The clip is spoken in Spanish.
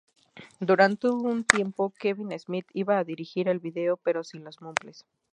Durante un tiempo, Kevin Smith iba a dirigir el video, pero sin los Muppets.